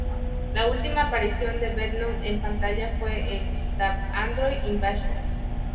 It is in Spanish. La última aparición de Benton en pantalla fue en "The Android Invasion".